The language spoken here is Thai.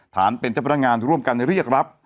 ฐานเป็นเจ้าพนักงานร่วมกันเรียกรับ